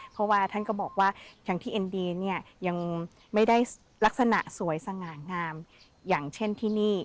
เพราะว่าท่านก็บอกว่าอย่างที่เอ็นดีเนี่ยยังไม่ได้ลักษณะสวยสง่างามอย่างเช่นที่นี่